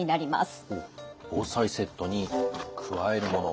防災セットに加えるもの。